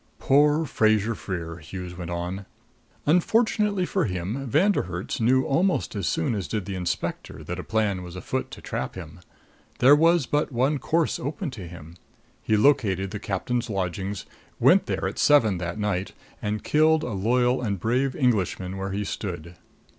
"Poor Fraser Freer!" Hughes went on. "Unfortunately for him, Von der Herts knew almost as soon as did the inspector that a plan was afoot to trap him. There was but one course open to him: He located the captain's lodgings, went there at seven that night, and killed a loyal and brave Englishman where he stood."